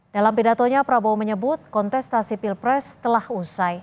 dalam pidatonya prabowo menyebut kontestasi pilpres telah usai